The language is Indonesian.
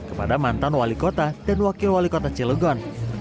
kepada mantan wali kota dan wakil wali kota cilegon